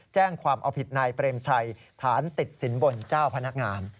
แจ้งความเอาผิดนายเปรมชัยฐานติดสินบนเจ้าพนักงาน